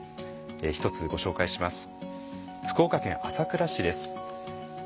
１つご紹介します。